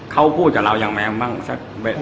เขาพูดแต่ล้วยังแมงบ้างสักเวช